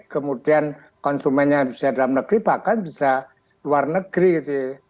kemudian konsumennya bisa dalam negeri bahkan bisa luar negeri gitu ya